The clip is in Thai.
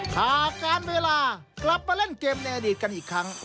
หากการเวลากลับมาเล่นเกมในอดีตกันอีกครั้ง